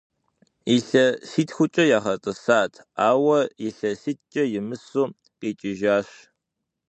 Илъэситхукӏэ ягъэтӏысат, ауэ илъэситӏкӏэ имысу къикӏыжащ.